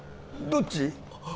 どっち？